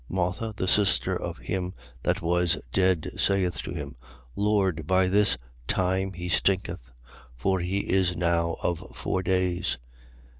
Martha, the sister of him that was dead, saith to him: Lord, by this time he stinketh, for he is now of four days.